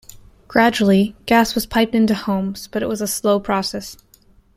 Gradually gas was piped into homes, but it was a slow process.